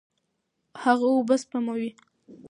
هغه اوبه سپموي.